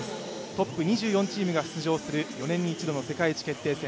トップ２４チームが出場する４年に一度の世界一決定戦。